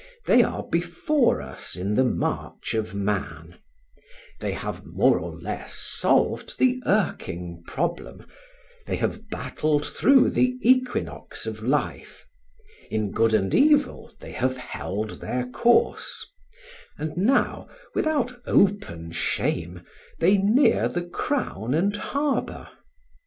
They are before us in the march of man; they have more or less solved the irking problem; they have battled through the equinox of life; in good and evil they have held their course; and now, without open shame, they near the crown and harbour.